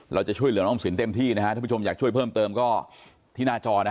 เราจะช่วยเหลือน้องออมสินเต็มที่นะฮะท่านผู้ชมอยากช่วยเพิ่มเติมก็ที่หน้าจอนะ